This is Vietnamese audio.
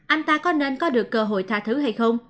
anh ta có nên có được cơ hội tha thứ hay không